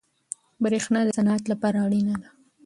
برښنا د صنعت لپاره اړینه ده.